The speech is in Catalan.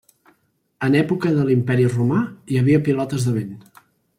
En època de l’imperi romà hi havia pilotes de vent.